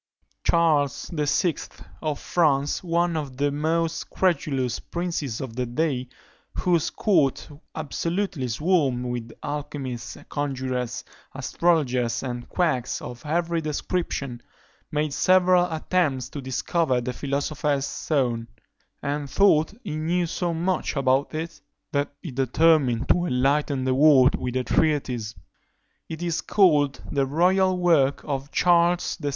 Charles VI. of France, one of the most credulous princes of the day, whose court absolutely swarmed with alchymists, conjurers, astrologers, and quacks of every description, made several attempts to discover the philosopher's stone, and thought he knew so much about it, that he determined to enlighten the world with a treatise; it is called the _Royal Work of Charles VI.